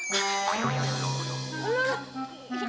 alah ini kenapa